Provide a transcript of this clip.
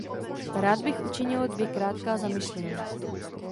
Rád bych učinil dvě krátká zamyšlení.